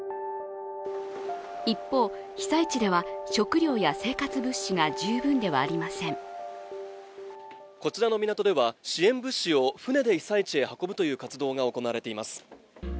一方、被災地では食料や生活物資が十分ではありませんこちらの港では支援物資を船で運ぶという活動が行われています。